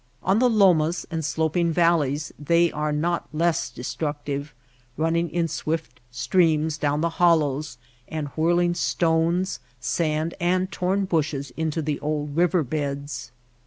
On the lomas and sloping valleys they are not less destructive, running in swift streams down the hollows, and whirling stones, sand, and torn bushes into the old river beds.